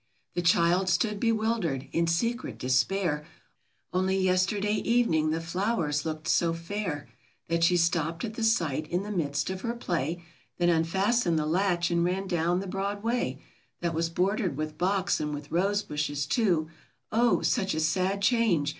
The child stood bewildered, in secret despair; Only yesterday evening the flowers looked so fair, That she stopped at the sight in the midst of her P lay, Then unfastened the latch, and ran down the broad way That was bordered with box and with rose bnshes, too ; Oh, such a sad change